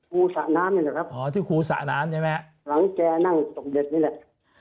ครูสระน้ำนี่แหละครับหอที่ครูสระน้ำใช่ไหมฮะหลังแกนั่งตกเย็นนี่แหละ